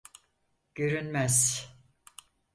Görünmez.